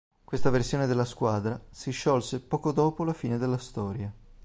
Questa versione della squadra si sciolse poco dopo la fine della storia.